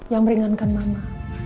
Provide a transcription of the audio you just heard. yang meringankan mama